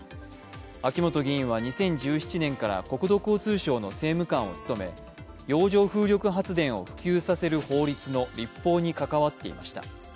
秋本議員は２０１７年から国土交通省の政務官を務め洋上風力発電を普及させる法律の立法に関わっていました。